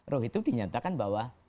roh itu dinyatakan bahwa